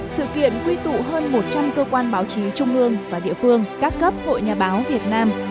sự kiện quy tụ hơn một trăm linh cơ quan báo chí trung ương và địa phương các cấp hội nhà báo việt nam